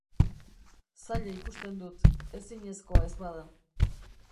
Zaila ikusten dut, ezinezkoa ez bada.